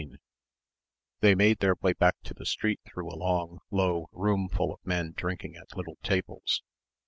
16 They made their way back to the street through a long low roomful of men drinking at little tables.